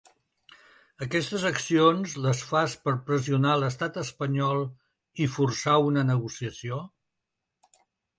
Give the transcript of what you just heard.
Aquestes accions les fas per pressionar l’estat espanyol i forçar una negociació?